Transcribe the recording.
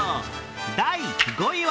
第５位は